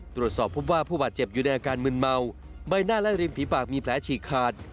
ตรวจสอบพบว่าผู้บาดเจ็บอยู่ในอาการมืนเมาใบหน้าและริมฝีปากมีแผลฉีกขาด